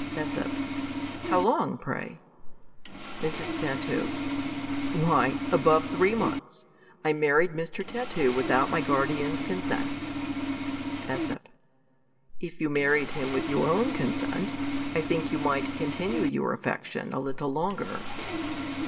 ,^8, How long, pray ? Mrs, Tat. Why, above three months: I married Mr. Tatoo without my guardian's consent. .^s. If you married nim with your own consent, I think you might continue your affection a little longer.